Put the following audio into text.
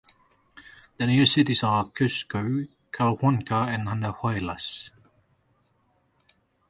The nearest cities are Cusco, Chalhuanca and Andahuaylas.